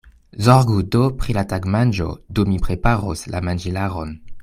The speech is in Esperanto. Zorgu do pri la tagmanĝo, dum mi preparos la manĝilaron.